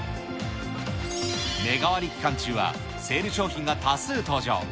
メガ割期間中は、セール商品が多数登場。